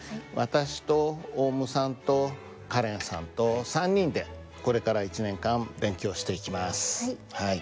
私とオウムさんとカレンさんと３人でこれから１年間勉強していきます。